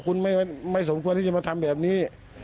คุณไม่สมควรที่จะมาทำแบบนี้